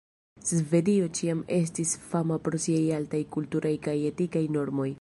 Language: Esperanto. Svedio ĉiam estis fama pro siaj altaj kulturaj kaj etikaj normoj.